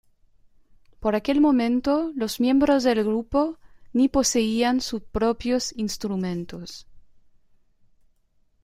Por aquel momento, los miembros del grupo ni poseían sus propios instrumentos.